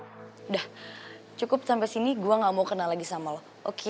sudah cukup sampai sini gue gak mau kenal lagi sama lo